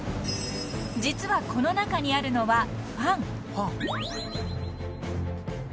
［実はこの中にあるのは］